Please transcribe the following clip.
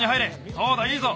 そうだいいぞ。